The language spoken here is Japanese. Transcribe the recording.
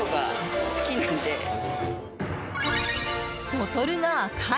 ボトルが赤い！